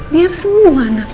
biar semua anak kami